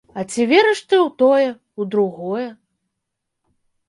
А ці верыш ты ў тое, у другое?